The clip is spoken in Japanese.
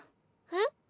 えっ？